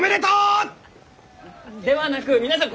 ではなく皆さん